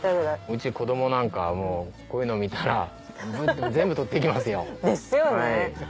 うち子どもなんかこういうの見たら全部取っていきますよ。ですよね。